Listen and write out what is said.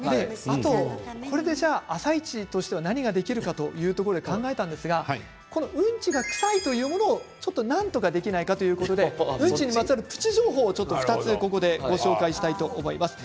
ところで「あさイチ」としては何ができるかというところで考えたんですがうんちがくさいということをなんとかできないかということでうんちにまつわるプチ情報を２つご紹介したいと思います。